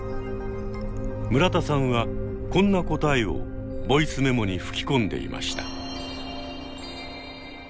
村田さんはこんな答えをボイスメモに吹き込んでいました。